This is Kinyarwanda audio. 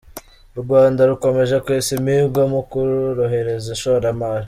U Rwanda rukomeje kwesa imihigo mu korohereza ishoramari